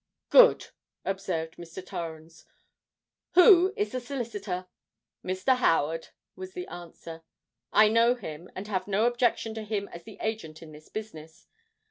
"Good!" observed Mr. Torrens. "Who is the solicitor?" "Mr. Howard," was the answer. "I know him, and have no objection to him as the agent in the business.